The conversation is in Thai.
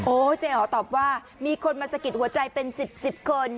เจ๊อ๋อตอบว่ามีคนมาสะกิดหัวใจเป็น๑๐๑๐คน